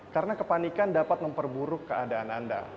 karena kepanikan dapat memperburuk keadaan anda